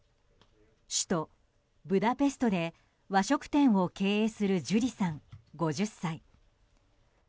首都ブダペストで和食店を経営するジュリさん、５０歳。